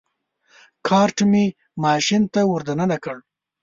کارټ مې ماشین ته ور دننه کړ.